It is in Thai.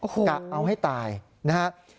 กะเอาให้ตายนะฮะ